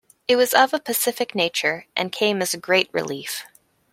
It was of a pacific nature, and came as a great relief.